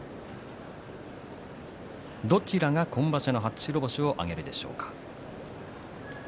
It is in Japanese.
どちらが今場所の初白星を挙げるでしょうか。